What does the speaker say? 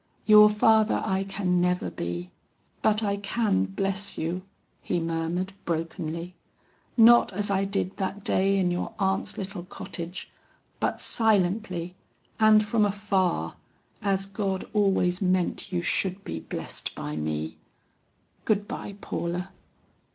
Your father I can never be. But I can bless you," he murmured brokenly, "not as I did that day in your aunt's little cottage, but silently and from afar as God always meant you should be blessed by me. Good bye, Paula."